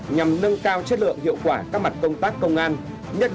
nhằm nâng cao chất lượng hiệu quả các mặt công tác công an